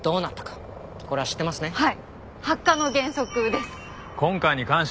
はい。